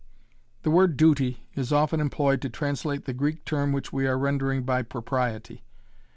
The word "duty" is often employed to translate the Greek term which we are rendering by "propriety."